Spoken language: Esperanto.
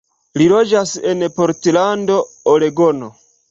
Li loĝas en Portland, Oregono.